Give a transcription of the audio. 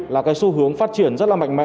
là cái xu hướng phát triển rất là mạnh mẽ